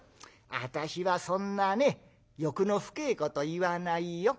私はそんなね欲の深えこと言わないよ。